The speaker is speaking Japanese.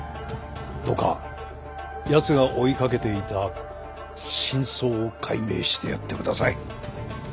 どうかやつが追い掛けていた真相を解明してやってください。